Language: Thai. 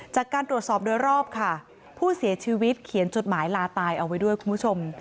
จากการตรวจสอบโดยรอบค่ะผู้เสียชีวิตเขียนจดหมายลาตายเอาไว้ด้วยคุณผู้ชม